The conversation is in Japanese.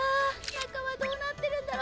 中はどうなってるんだろ？